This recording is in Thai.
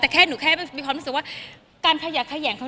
แต่แค่หนูแค่มีความรู้สึกว่าการขยักแขยงเขา